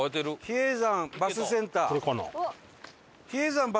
比叡山バスセンター。